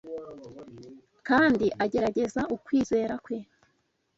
kandi agerageza ukwizera kwe